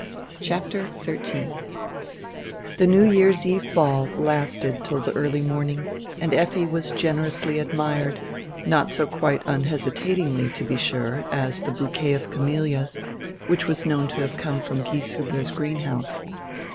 CHAPTER XIII THE New Year's eve ball lasted till the early morning and Effi was generously admired, not quite so unhesitat ingly, to be sure, as tire bouquet of camelias, which was known to have come from Gieshiibler's greenhouse.